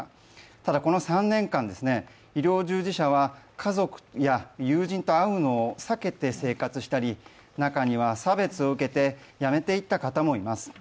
ただ、この３年間、医療従事者は家族や友人と会うのを避けて生活したり、中には差別を受けて辞めていった方もいます。